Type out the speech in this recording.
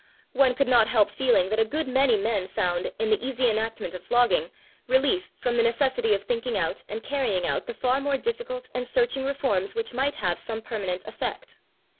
One could not help feeling that a good many men found, in the easy enactment of flogging, relief from the necessity of thinking out and carrying out the far more difficult and searching reforms which might have some permanent effect.